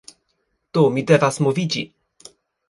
Do, mi devas moviĝi